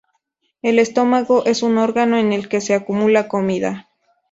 El estómago es un órgano en el que se acumula comida.